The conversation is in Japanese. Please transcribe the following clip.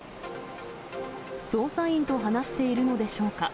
捜査員と話しているのでしょうか。